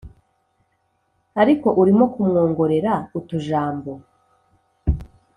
ariko urimo kumwongorera utujambo